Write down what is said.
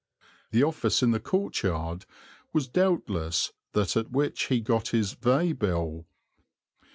The office in the courtyard was doubtless that at which he got his "vaybill."